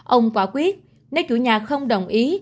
ông quả quyết nếu chủ nhà không đồng ý